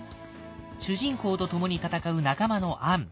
主人公とともに戦う仲間の杏。